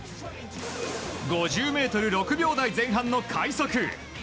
５０ｍ、６秒台前半の快速。